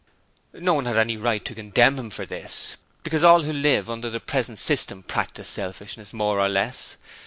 No one had any right to condemn him for this, because all who live under the present system practise selfishness, more or less.